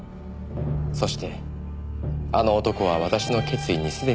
「そしてあの男は私の決意にすでに気づいている」